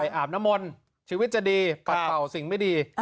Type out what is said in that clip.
ไปอาบนมนต์ชีวิตจะดีปล่าวสิ่งไม่ดี